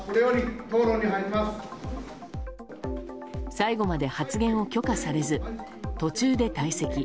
最後まで発言を許可されず途中で退席。